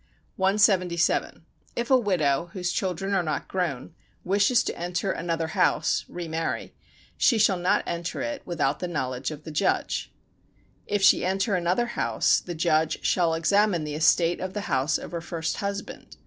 177. If a widow, whose children are not grown, wishes to enter another house [remarry], she shall not enter it without the knowledge of the judge. If she enter another house the judge shall examine the estate of the house of her first husband.